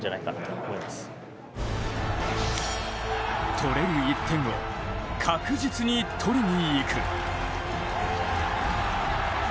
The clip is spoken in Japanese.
取れる１点を確実に取りに行く。